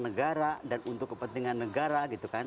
negara dan untuk kepentingan negara